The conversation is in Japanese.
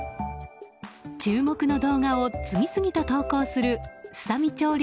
注目の動画を次々と投稿するすさみ町